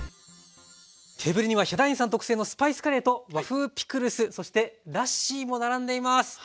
テーブルにはヒャダインさん特製のスパイスカレーと和風ピクルスそしてラッシーも並んでいます。